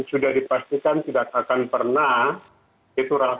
sudah dipastikan tidak akan pernah itu rasanya